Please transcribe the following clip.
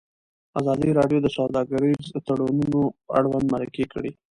ازادي راډیو د سوداګریز تړونونه اړوند مرکې کړي.